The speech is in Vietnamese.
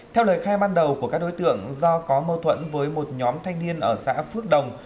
theo lời khai ban đầu của các đối tượng do có mâu thuẫn với một nhóm thanh niên ở xã phước đồng